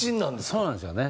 そうなんですよね。